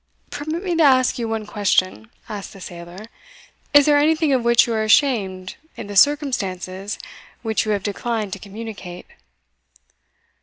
"Permit me to ask you one question," asked the sailor; "is there anything of which you are ashamed in the circumstances which you have declined to communicate."